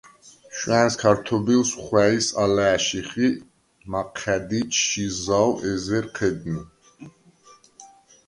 შუ̂ა̈ნს ქართობილს ხუ̂ა̈ჲს ალა̄̈შიხ ი მაჴა̈დი ჩი ზაუ̂ ეზერ ჴედნი.